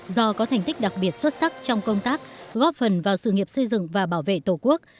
do có thành tích đặc biệt xuất sắc trong công tác góp phần vào sự nghiệp xây dựng và bảo vệ tổ quốc